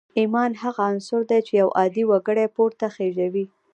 ایمان هغه عنصر دی چې یو عادي وګړی پورته خېژوي